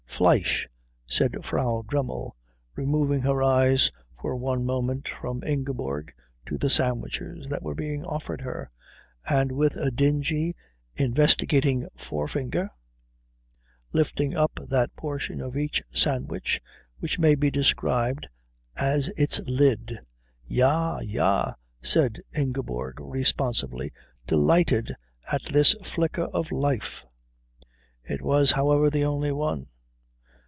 "Fleisch," said Frau Dremmel, removing her eyes for one moment from Ingeborg to the sandwiches that were being offered her, and with a dingy, investigating forefinger lifting up that portion of each sandwich which may be described as its lid. "Ja, ja," said Ingeborg responsively, delighted at this flicker of life. It was, however, the only one.